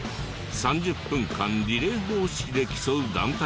３０分間リレー方式で競う団体戦と。